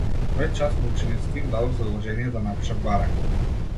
Тој час на учениците им дадов задолжение да напишат барање.